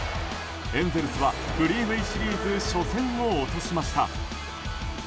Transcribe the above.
エンゼルスはフリーウェーシリーズ初戦を落としました。